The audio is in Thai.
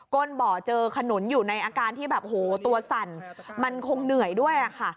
้นบ่อเจอขนุนอยู่ในอาการที่แบบโหตัวสั่นมันคงเหนื่อยด้วยค่ะ